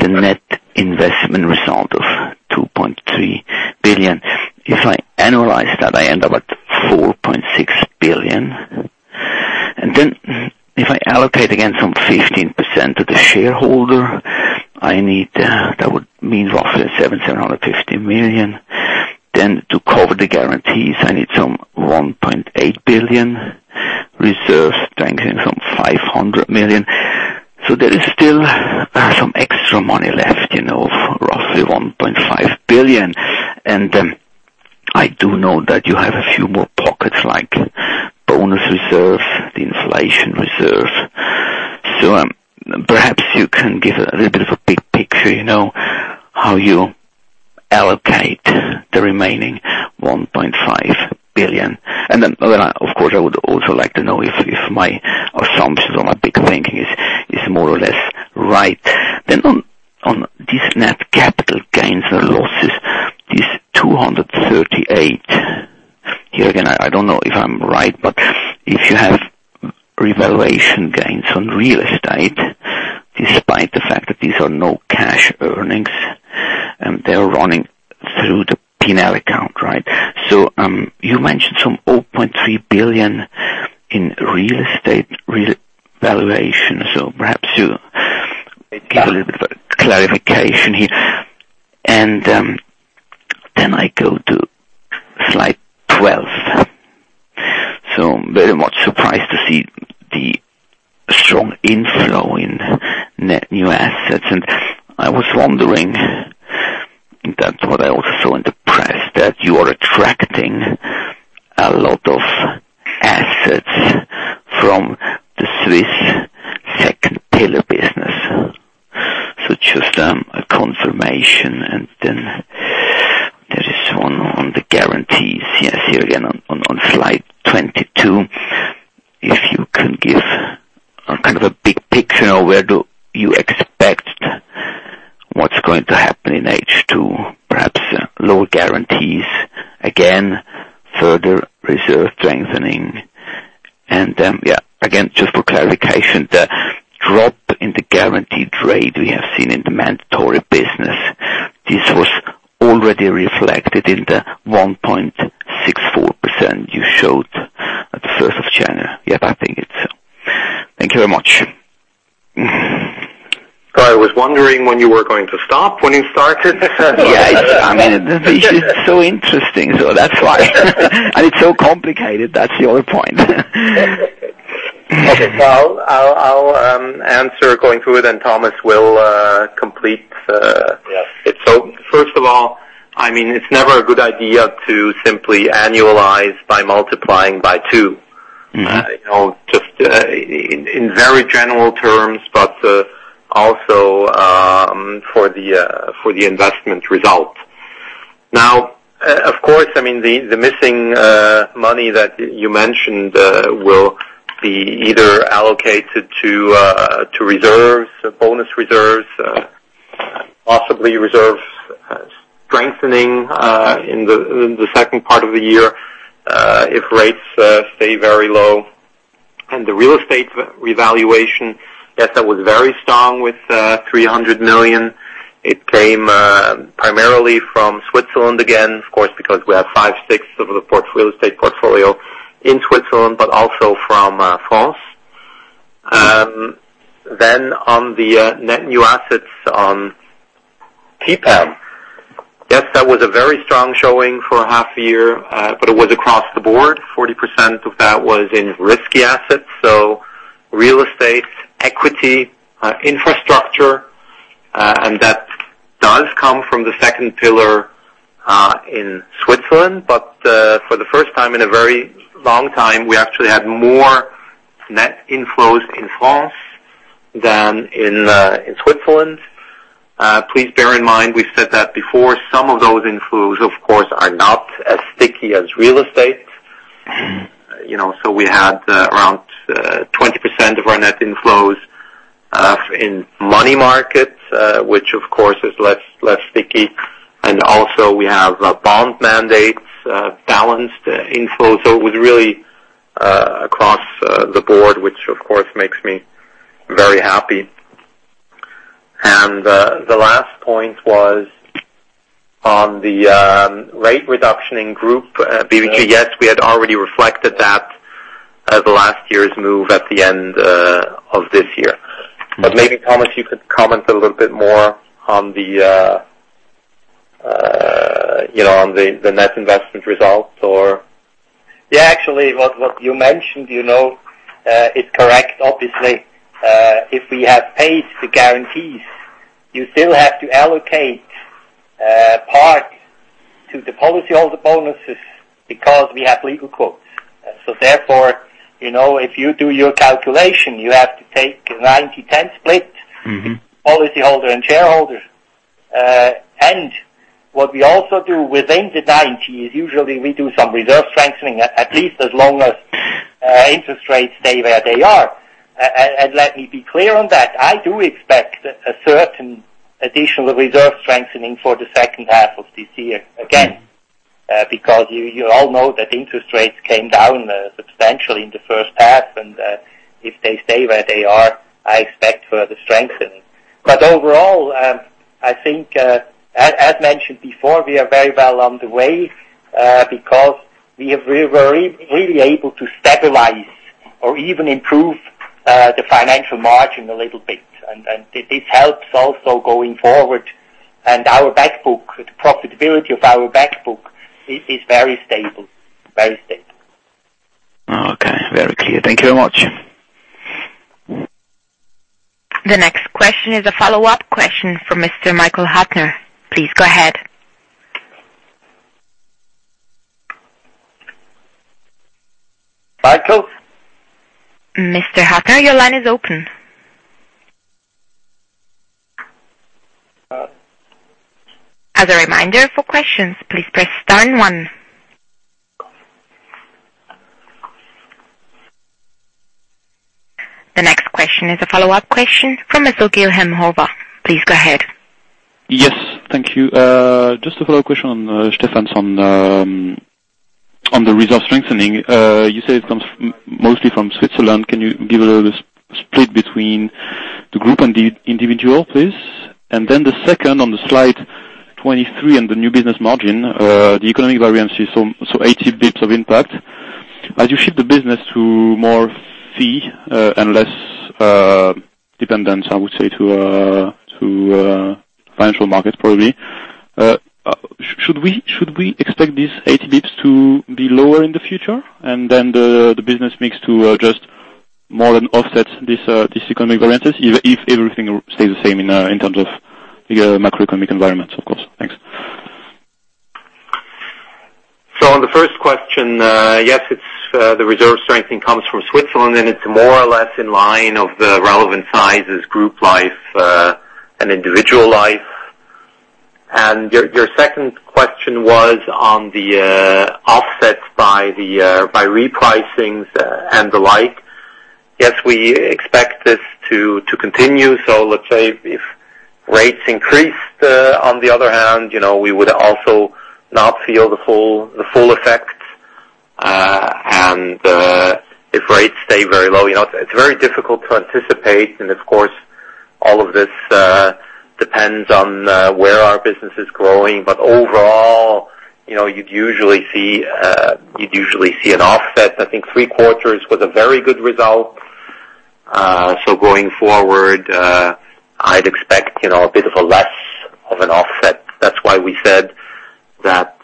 net investment result of 2.3 billion. If I annualize that, I end up at 4.6 billion. If I allocate again some 15% to the shareholder, that would mean roughly 750 million. To cover the guarantees, I need some 1.8 billion reserves, strengthening from 500 million. There is still some extra money left, roughly 1.5 billion. I do know that you have a few more pockets like bonus reserve, the inflation reserve. Perhaps you can give a little bit of a big picture, how you allocate the remaining 1.5 billion. Of course, I would also like to know if my assumptions or my big thinking is more or less right. On this net capital gains or losses, this 238. Here again, I don't know if I'm right, if you have revaluation gains on real estate, despite the fact that these are no cash earnings, they're running through the P&L account, right? You mentioned some 0.3 billion in real estate revaluation, perhaps you give a little bit of clarification here. I go to slide 12. I'm very much surprised to see the strong inflow in net new assets. I was wondering, that's what I also saw in the press, that you are attracting a lot of assets from the Swiss second pillar business. Just a confirmation, then there is one on the guarantees. Yes, here again on slide 22. If you can give a big picture now, where do you expect what's going to happen in H2? Perhaps lower guarantees, again, further reserve strengthening. Just for clarification, the drop in the guaranteed rate we have seen in the mandatory business, this was already reflected in the 1.64% you showed at the 1st of January. Thank you very much. I was wondering when you were going to stop, when you started. It's so interesting, that's why. It's so complicated, that's the other point. Okay. I'll answer going forward, and Thomas will complete. Yes It. First of all, it's never a good idea to simply annualize by multiplying by two. Just in very general terms, but also for the investment result. Now, of course, the missing money that you mentioned will be either allocated to reserves, bonus reserves, possibly reserve strengthening in the second part of the year, if rates stay very low. The real estate revaluation, yes, that was very strong with 300 million. It came primarily from Switzerland again. Of course, because we have five-sixths of the real estate portfolio in Switzerland, but also from France. On the net new assets on TPAM. Yes, that was a very strong showing for a half year. It was across the board. 40% of that was in risky assets. Real estate, equity, infrastructure. That does come from the second pillar, in Switzerland. For the first time in a very long time, we actually had more net inflows in France, than in Switzerland. Please bear in mind, we said that before, some of those inflows, of course, are not as sticky as real estate. We had around 20% of our net inflows in money markets, which of course is less sticky. Also we have bond mandates, balanced inflows. It was really across the board, which of course makes me very happy. The last point was on the rate reduction in group BVG. Yes, we had already reflected that as last year's move at the end of this year. Maybe, Thomas, you could comment a little bit more on the net investment results or Yeah, actually, what you mentioned, it correct. Obviously, if we have paid the guarantees, you still have to allocate part to the policyholder bonuses because we have legal quotas. Therefore, if you do your calculation, you have to take a 90/10 split- policyholder and shareholders. What we also do within the 90, is usually we do some reserve strengthening, at least as long as interest rates stay where they are. Let me be clear on that, I do expect a certain additional reserve strengthening for the second half of this year again. Because you all know that interest rates came down substantially in the first half, and if they stay where they are, I expect further strengthening. Overall, I think, as mentioned before, we are very well on the way, because we were really able to stabilize or even improve the financial margin a little bit. This helps also going forward. Our back book, the profitability of our back book, is very stable. Very stable. Okay. Very clear. Thank you very much. The next question is a follow-up question from Mr. Michael Huttner. Please go ahead. Michael? Mr. Huttner, your line is open. As a reminder, for questions, please press star 1. The next question is a follow-up question from Mr. Guilherme Rover. Please go ahead. Yes. Thank you. Just a follow-up question on Stefan's on the reserve strengthening. You said it comes mostly from Switzerland. Can you give a little split between the group and the individual, please? The second, on slide 23 on the new business margin, the economic variance is 80 basis points of impact. As you shift the business to more fee, and less dependence, I would say, to financial markets probably, should we expect these 80 basis points to be lower in the future? The business mix to just more than offset these economic variances, if everything stays the same in terms of the macroeconomic environment, of course. Thanks. On the first question, yes, the reserve strengthening comes from Switzerland, and it's more or less in line of the relevant sizes, group life and individual life. Your second question was on the offsets by repricings and the like. Yes, we expect this to continue. Let's say if rates increased, on the other hand, we would also not feel the full effect. If rates stay very low, it's very difficult to anticipate, and of course, all of this depends on where our business is growing. Overall, you'd usually see an offset. I think three quarters was a very good result. Going forward, I'd expect a bit of a less of an offset. That's why we said that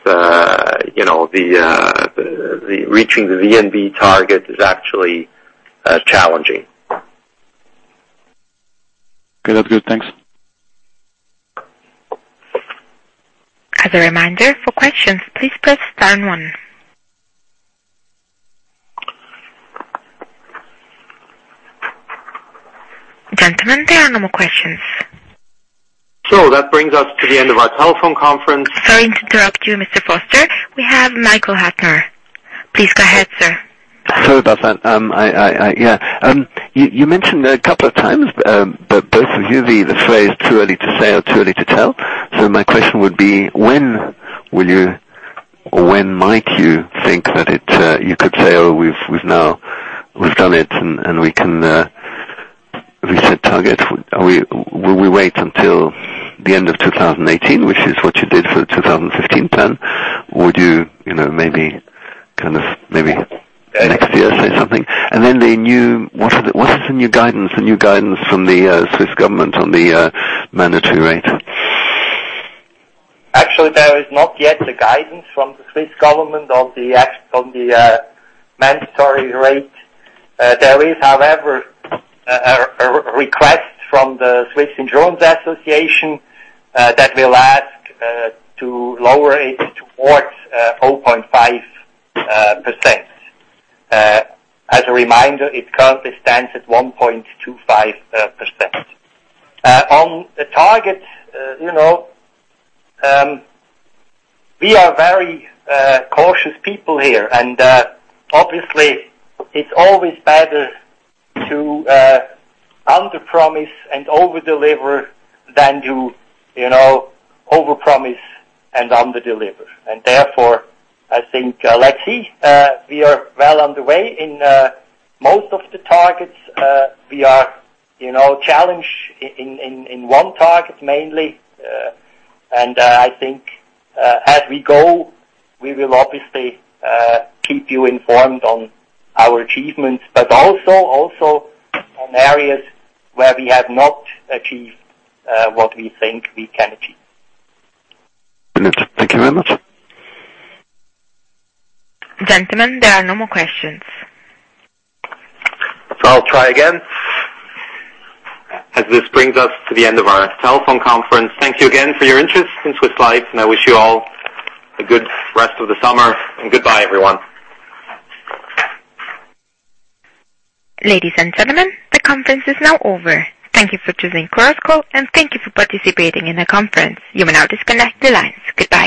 reaching the VNB target is actually challenging. Okay. That's good. Thanks. As a reminder, for questions, please press star and one. Gentlemen, there are no more questions. That brings us to the end of our telephone conference. Sorry to interrupt you, Mr. Frost. We have Michael Huttner. Please go ahead, sir. Sorry about that. You mentioned a couple of times, both of you, the phrase too early to say or too early to tell. My question would be, when might you think that you could say, "Oh, we've done it, and we can reset targets?" Will we wait until the end of 2018, which is what you did for the 2015 plan? Or do you maybe next year say something? What is the new guidance from the Swiss government on the mandatory rate? Actually, there is not yet a guidance from the Swiss government on the mandatory rate. There is, however, a request from the Swiss Insurance Association that will ask to lower it towards 0.5%. As a reminder, it currently stands at 1.25%. On the target, we are very cautious people here. Obviously, it's always better to underpromise and overdeliver than to overpromise and underdeliver. Therefore, I think, let's see. We are well on the way in most of the targets. We are challenged in one target mainly. I think as we go, we will obviously keep you informed on our achievements, but also on areas where we have not achieved what we think we can achieve. Brilliant. Thank you very much. Gentlemen, there are no more questions. I'll try again. As this brings us to the end of our telephone conference, thank you again for your interest in Swiss Life. I wish you all a good rest of the summer. Goodbye everyone. Ladies and gentlemen, the conference is now over. Thank you for choosing Chorus Call, and thank you for participating in the conference. You may now disconnect the lines. Goodbye.